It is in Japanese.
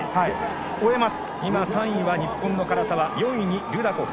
今、３位は日本の唐澤４位にルダコフ。